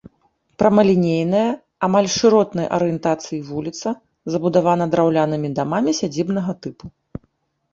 Прамалінейная амаль шыротнай арыентацыі вуліца забудавана драўлянымі дамамі сядзібнага тыпу.